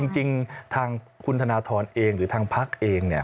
จริงทางคุณดนทรเองหรือทางพรรคเองเนี่ย